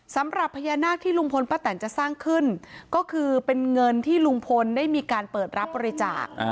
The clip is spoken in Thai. สำหรับพญานาคที่ลุงพลป้าแตนจะสร้างขึ้นก็คือเป็นเงินที่ลุงพลได้มีการเปิดรับบริจาค